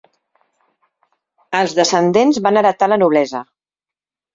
Els descendents van heretar la noblesa.